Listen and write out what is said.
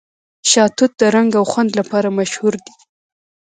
شاه توت د رنګ او خوند لپاره مشهور دی.